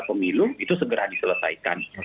pemilu itu segera diselesaikan